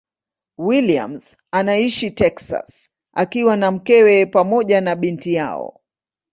Williams anaishi Texas akiwa na mkewe pamoja na binti yao.